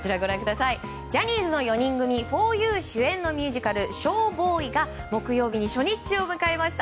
ジャニーズ４人組ふぉゆのミュージカル「ＳＨＯＷＢＯＹ」が木曜日に初日を迎えました。